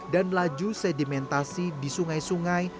dan laju sedimentasi di sungai sungai